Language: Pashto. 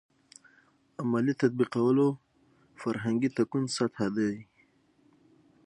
عملي تطبیقولو فرهنګي تکون سطح دی.